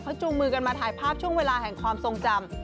จูงมือกันมาถ่ายภาพช่วงเวลาแห่งความทรงจำ